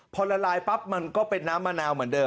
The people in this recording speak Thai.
พอละลายปั๊บมันก็เป็นน้ำมะนาวเหมือนเดิ